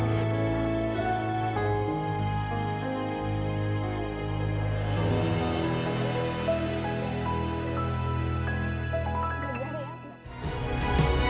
kok ada bagian di sini